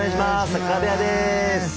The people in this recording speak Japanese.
サッカー部屋です。